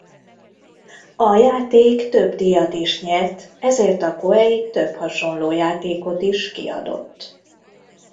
A játék több díjat is nyert ezért a Koei több hasonló játékot is kiadott.